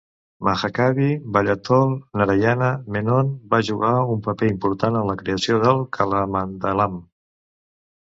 Mahakavi Vallathol Narayana Menon va jugar un paper important en la creació del Kalamandalam.